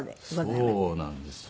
そうなんですよ。